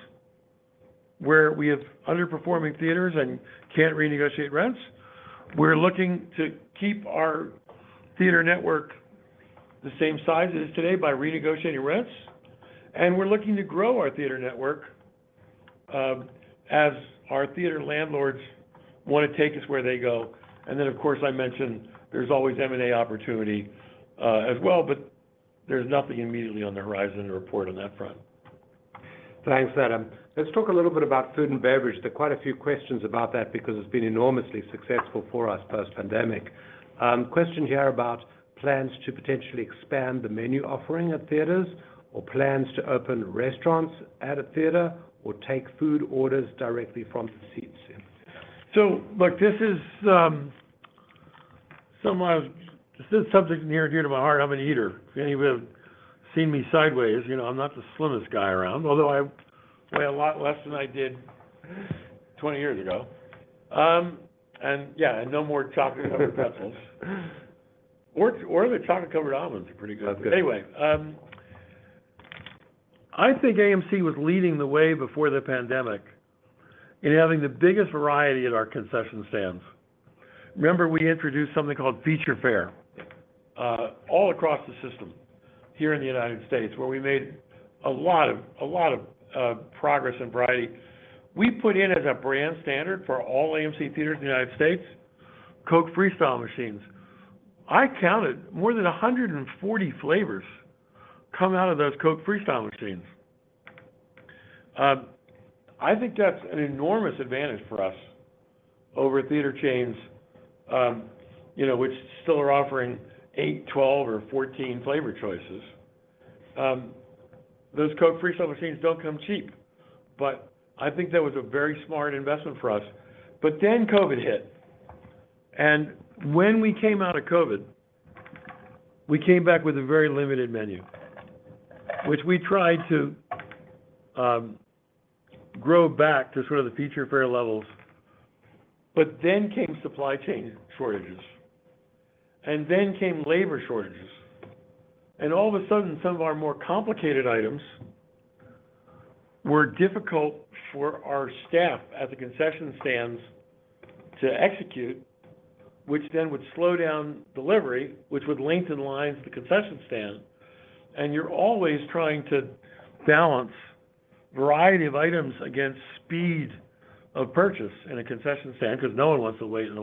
where we have underperforming theaters and can't renegotiate rents. We're looking to keep our theater network the same size as it is today by renegotiating rents, and we're looking to grow our theater network, as our theater landlords wanna take us where they go. Then, of course, I mentioned there's always M&A opportunity as well, but there's nothing immediately on the horizon to report on that front. Thanks, Adam. Let's talk a little bit about food and beverage. There are quite a few questions about that because it's been enormously successful for us post-pandemic. Question here about plans to potentially expand the menu offering at theaters, or plans to open restaurants at a theater, or take food orders directly from the seats? look, This is a subject near and dear to my heart. I'm an eater. If any of you have seen me sideways, you know I'm not the slimmest guy around, although I weigh a lot less than I did 20 years ago. yeah, no more chocolate-covered pretzels. or the chocolate-covered almonds are pretty good. That's good. I think AMC was leading the way before the pandemic in having the biggest variety at our concession stands. Remember, we introduced something called Feature Fare all across the system here in the United States, where we made a lot of progress and variety. We put in as a brand standard for all AMC Theatres in the United States, Coca-Cola Freestyle machines. I counted more than 140 flavors come out of those Coca-Cola Freestyle machines. I think that's an enormous advantage for us over theater chains, you know, which still are offering eight, 12, or 14 flavor choices. Those Coca-Cola Freestyle machines don't come cheap, but I think that was a very smart investment for us. Then COVID hit, and when we came out of COVID, we came back with a very limited menu, which we tried to grow back to sort of the Feature Fare levels. Then came supply chain shortages, and then came labor shortages, and all of a sudden, some of our more complicated items were difficult for our staff at the concession stands to execute, which then would slow down delivery, which would lengthen lines to the concession stand. You're always trying to balance variety of items against speed of purchase in a concession stand, because no one wants to wait in a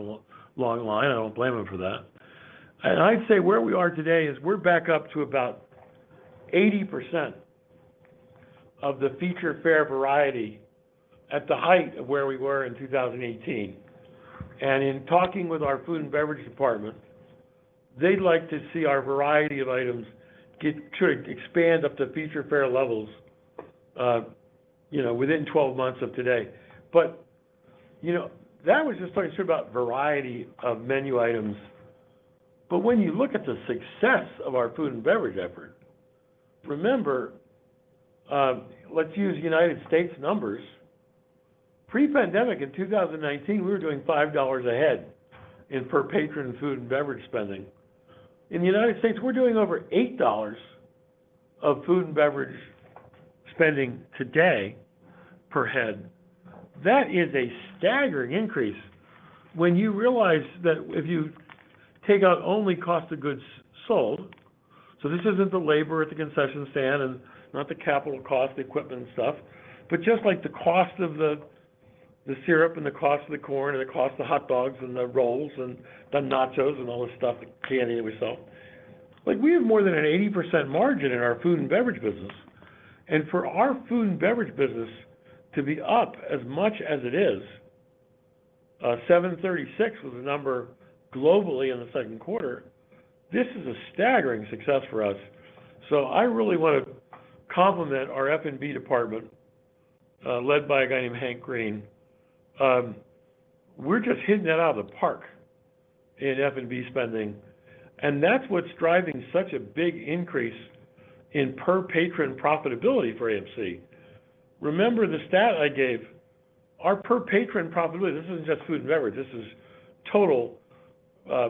long line. I don't blame them for that. I'd say where we are today, is we're back up to about 80% of the Feature Fare variety at the height of where we were in 2018. In talking with our food and beverage department, they'd like to see our variety of items get to, expand up to Feature Fare levels, you know, within 12 months of today. You know, that was just talking sort about variety of menu items. When you look at the success of our food and beverage effort, remember, let's use United States numbers. Pre-pandemic in 2019, we were doing $5 a head in per patron food and beverage spending. In the United States, we're doing over $8 of food and beverage spending today per head. That is a staggering increase when you realize that if you take out only cost of goods sold, so this isn't the labor at the concession stand and not the capital cost, the equipment stuff, but just, like, the cost of the, the syrup and the cost of the corn and the cost of the hot dogs and the rolls and the nachos and all this stuff, the candy that we sell. Like, we have more than an 80% margin in our food and beverage business, and for our food and beverage business to be up as much as it is, $736 million was the number globally in the second quarter, this is a staggering success for us. I really wanna compliment our F&B department, led by a guy named Hank Green. We're just hitting that out of the park in F&B spending, and that's what's driving such a big increase in per patron profitability for AMC. Remember the stat I gave, our per patron profitability, this isn't just food and beverage, this is total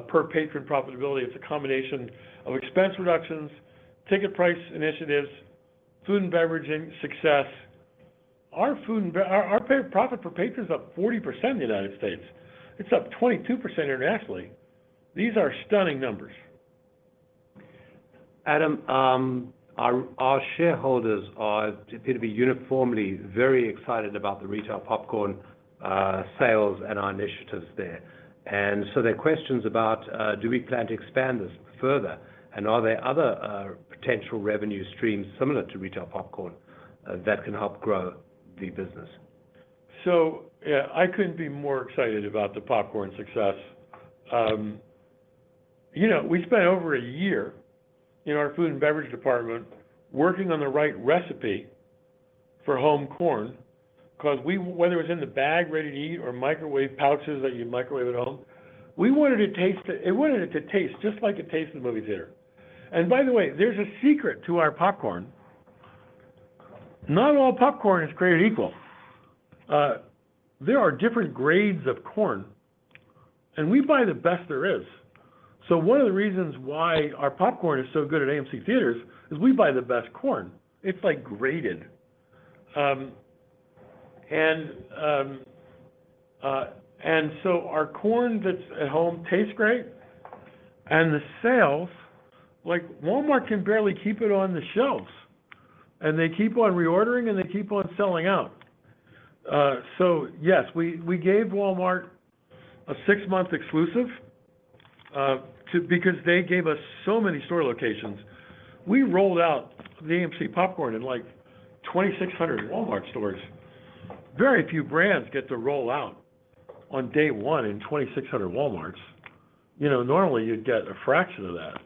per patron profitability. It's a combination of expense reductions, ticket price initiatives, food and beveraging success. Our, our profit per patron is up 40% in the United States. It's up 22% internationally. These are stunning numbers. Adam, our, our shareholders are typically uniformly very excited about the retail popcorn sales and our initiatives there. Their questions about, do we plan to expand this further, and are there other potential revenue streams similar to retail popcorn that can help grow the business? Yeah, I couldn't be more excited about the popcorn success. You know, we spent over a year in our food and beverage department working on the right recipe for popcorn, whether it was in the bag, ready-to-eat or microwave pouches that you microwave at home, we wanted it to taste, we wanted it to taste just like it tastes in the movie theater. By the way, there's a secret to our popcorn. Not all popcorn is created equal. There are different grades of corn, and we buy the best there is. One of the reasons why our popcorn is so good at AMC Theatres is we buy the best corn. It's, like, graded. So our corn that's at home tastes great, and the sales... Like, Walmart can barely keep it on the shelves, and they keep on reordering, and they keep on selling out. Yes, we gave Walmart a six-month exclusive because they gave us so many store locations. We rolled out the AMC popcorn in, like, 2,600 Walmart stores. Very few brands get to roll out on day one in 2,600 Walmarts. You know, normally you'd get a fraction of that,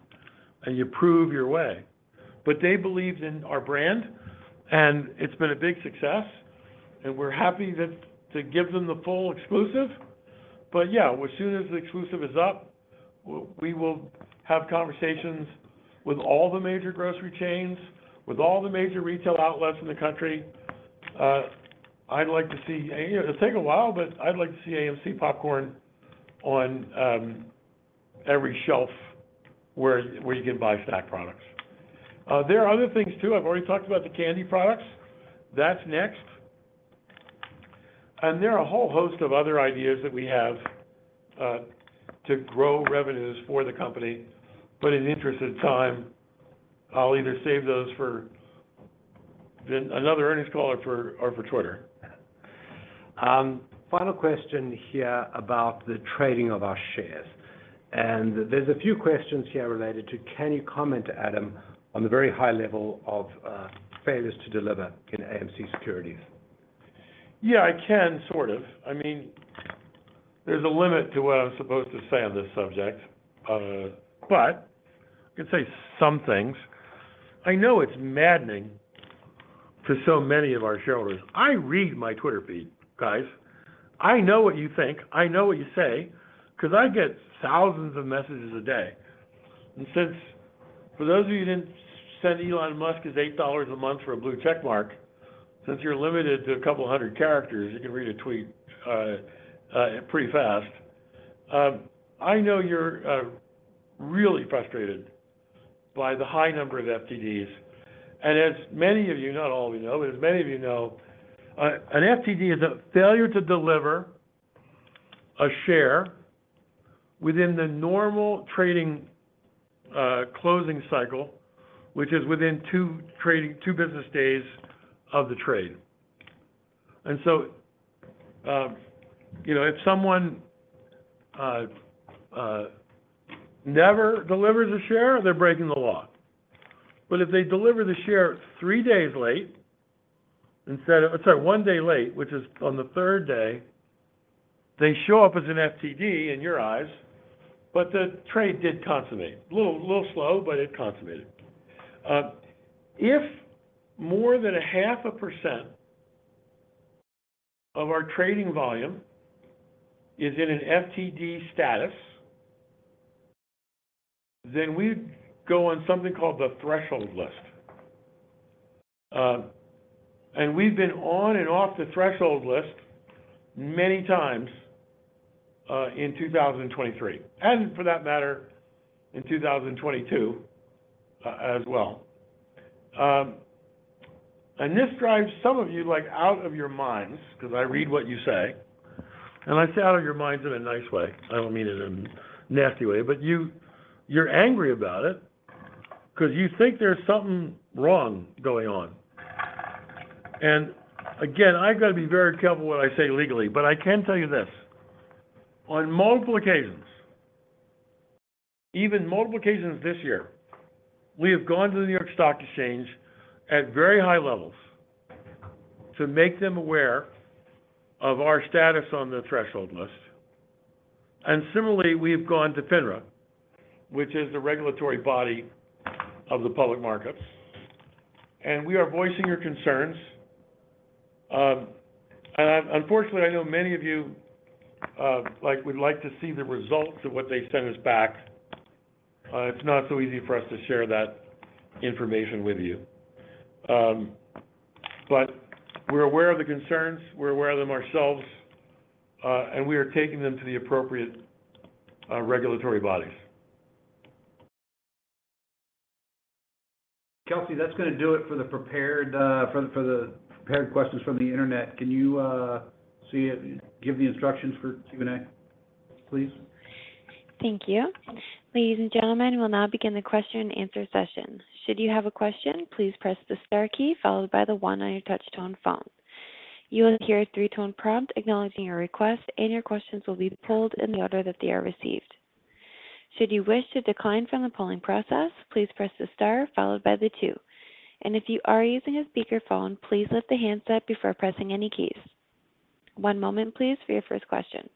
you prove your way. They believed in our brand, it's been a big success, and we're happy to give them the full exclusive. Yeah, as soon as the exclusive is up, we will have conversations with all the major grocery chains, with all the major retail outlets in the country. I'd like to see... It'll take a while, but I'd like to see AMC popcorn on every shelf where, where you can buy snack products. There are other things too. I've already talked about the candy products. That's next. There are a whole host of other ideas that we have, to grow revenues for the company, but in the interest of time, I'll either save those for the, another earnings call or for, or for Twitter. Final question here about the trading of our shares. There's a few questions here related to can you comment, Adam, on the very high level of Failures to Deliver in AMC securities? Yeah, I can, sort of. I mean, there's a limit to what I'm supposed to say on this subject, but I can say some things. I know it's maddening to so many of our shareholders. I read my Twitter feed, guys. I know what you think, I know what you say, 'cause I get thousands of messages a day. Since, for those of you who didn't send Elon Musk his $8 a month for a blue check mark, since you're limited to a couple hundred characters, you can read a tweet, pretty fast. I know you're really frustrated by the high number of FTDs, and as many of you, not all of you know, but as many of you know, an FTD is a failure to deliver a share within the normal trading closing cycle, which is within two trading, two business days of the trade. You know, if someone never delivers a share, they're breaking the law. If they deliver the share three days late-... instead of, I'm sorry, one day late, which is on the third day, they show up as an FTD in your eyes, but the trade did consummate. A little, little slow, but it consummated. If more than 0.5% of our trading volume is in an FTD status, then we go on something called the Threshold List. We've been on and off the Threshold List many times in 2023, and for that matter, in 2022 as well. This drives some of you, like, out of your minds, because I read what you say, and I say out of your minds in a nice way. I don't mean it in a nasty way, you're angry about it, because you think there's something wrong going on. Again, I've got to be very careful what I say legally, but I can tell you this: on multiple occasions, even multiple occasions this year, we have gone to the New York Stock Exchange at very high levels to make them aware of our status on the Threshold List. Similarly, we've gone to FINRA, which is the regulatory body of the public markets, and we are voicing your concerns. Unfortunately, I know many of you, like, would like to see the results of what they send us back. It's not so easy for us to share that information with you. But we're aware of the concerns, we're aware of them ourselves, and we are taking them to the appropriate regulatory bodies. Kelsey, that's gonna do it for the prepared questions from the internet. Can you give the instructions for Q&A, please? Thank you. Ladies and gentlemen, we'll now begin the question and answer session. Should you have a question, please press the star key, followed by the one on your touch-tone phone. You will hear a three-tone prompt acknowledging your request, and your questions will be pooled in the order that they are received. Should you wish to decline from the polling process, please press the star followed by the two. If you are using a speakerphone, please lift the handset before pressing any keys. One moment, please, for your first question.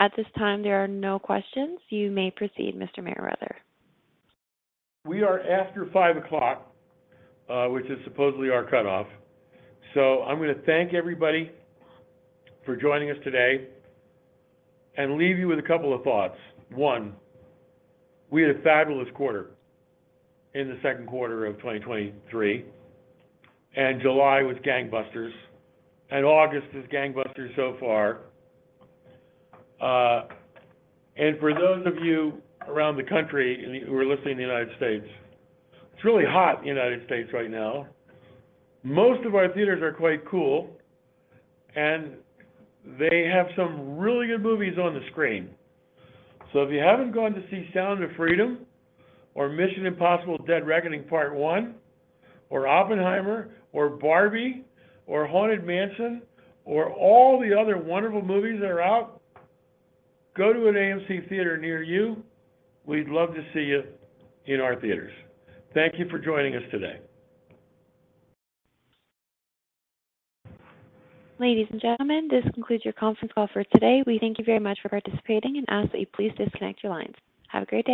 At this time, there are no questions. You may proceed, Mr. Merriwether. We are after 5:00 P.M., which is supposedly our cutoff. I'm going to thank everybody for joining us today and leave you with a couple of thoughts. One, we had a fabulous quarter in the second quarter of 2023, and July was gangbusters, and August is gangbusters so far. For those of you around the country who are listening in the United States, it's really hot in the United States right now. Most of our theaters are quite cool, and they have some really good movies on the screen. If you haven't gone to see Sound of Freedom or Mission: Impossible - Dead Reckoning Part One, or Oppenheimer or Barbie or Haunted Mansion, or all the other wonderful movies that are out, go to an AMC theater near you. We'd love to see you in our theaters. Thank you for joining us today. Ladies and gentlemen, this concludes your conference call for today. We thank you very much for participating and ask that you please disconnect your lines. Have a great day.